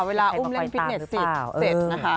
อุ้มเล่นฟิตเน็ตเสร็จนะคะ